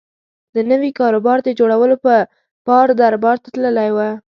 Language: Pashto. د نوي کاروبار د جوړولو په پار دربار ته تللی و.